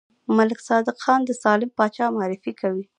ملک صادق ځان د سالم پاچا معرفي کوي.